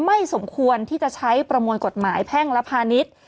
ไม่สมควรที่จะใช้ประมวลกฎหมายแพ่งและพาณิชย์